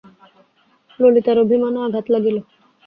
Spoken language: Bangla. ললিতার অভিমানে আঘাত লাগিল।